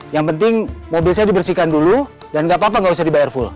yang penting mobil saya dibersihkan dulu dan nggak apa apa nggak usah dibayar full